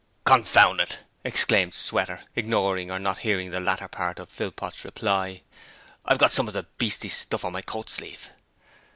'Confound it!' exclaimed Sweater, ignoring, or not hearing the latter part of Philpot's reply. 'I've got some of the beastly stuff on my coat sleeve.'